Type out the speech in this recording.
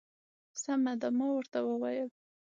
سمه ده. ما ورته وویل.